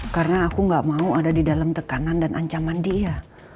karena aku gak mau ada di dalam tekanan dan ancaman dia